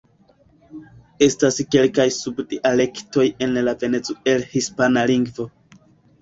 Estas kelkaj sub-dialektoj en la Venezuel-hispana lingvo.